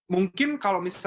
mungkin kalau misalnya